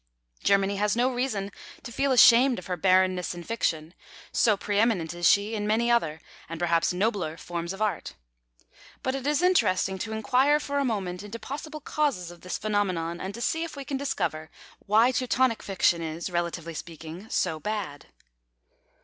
Germany has no reason to feel ashamed of her barrenness in fiction, so pre eminent is she in many other and perhaps nobler forms of art. But it is interesting to enquire for a moment into possible causes of this phenomenon, and to see if we can discover why Teutonic fiction is, relatively speaking, so bad.